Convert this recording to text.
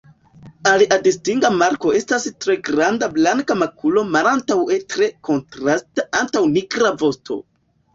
Alia distinga marko estas tre granda blanka makulo malantaŭe tre kontrasta antaŭ nigra vosto.